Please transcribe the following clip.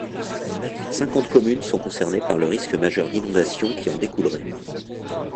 Cinquante communes sont concernées par le risque majeur d'inondation qui en découlerait.